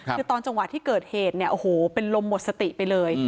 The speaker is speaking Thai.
คือตอนจังหวะที่เกิดเหตุเนี่ยโอ้โหเป็นลมหมดสติไปเลย